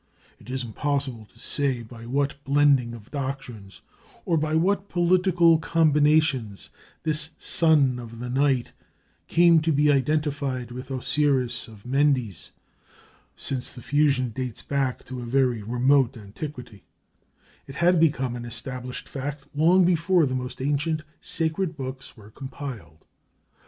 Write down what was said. It is impossible to say by what blending of doctrines or by what political combinations this Sun of the Night came to be identified with Osiris of Mendes, since the fusion dates back to a very remote antiquity; it had become an established fact long before the most ancient sacred books were compiled.